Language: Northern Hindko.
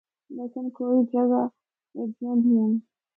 لیکن کوئی جگہاں ہِجیاں بھی ہن۔